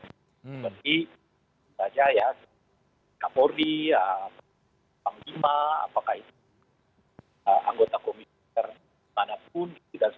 seperti misalnya ya kapolri panglima apakah itu anggota komite manapun